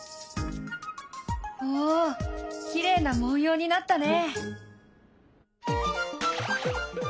おきれいな文様になったね。